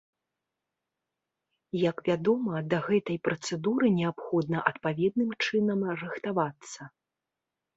Як вядома, да гэтай працэдуры неабходна адпаведным чынам рыхтавацца.